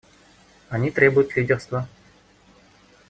Они требуют лидерства.